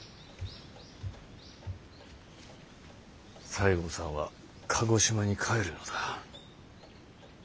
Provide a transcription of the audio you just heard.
西郷さんは鹿児島に帰るのだ。